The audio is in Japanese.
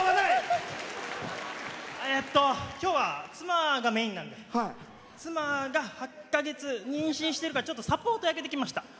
えっと、きょうは妻がメインなんで妻が８か月、妊娠してるからちょっとサポート役できました。